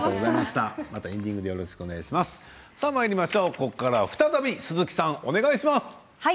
ここからは再び鈴木さんお願いします。